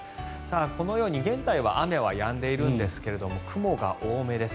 このように現在は雨はやんでいるんですが雲が多めです。